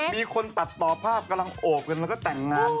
มีคนตัดต่อภาพกำลังโอบกันแล้วก็แต่งงาน